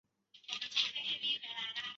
足球大决战！